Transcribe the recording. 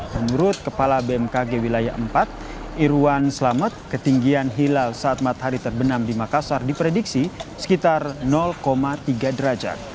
menurut kepala bmkg wilayah empat irwan selamat ketinggian hilal saat matahari terbenam di makassar diprediksi sekitar tiga derajat